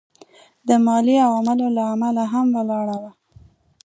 د مالي عواملو له امله هم ولاړه وه.